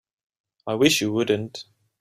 I wish you wouldn't.